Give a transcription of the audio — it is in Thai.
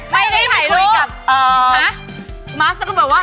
ไม่ได้ถ่ายรูป